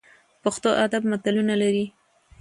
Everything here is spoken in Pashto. پښتو ادب متلونه لري